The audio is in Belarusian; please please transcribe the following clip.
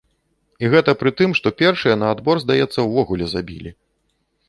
І гэта пры тым, што першыя на адбор, здаецца, увогуле забілі.